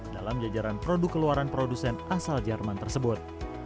dalam jajaran produk keluaran produsen asal jerman tersebut